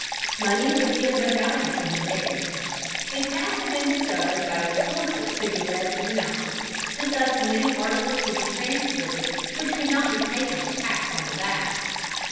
Money would be of no value to him there. A path had been discovered by which horses could be led through the mountains, and thus many articles could be transported which could not be taken in packs on the back.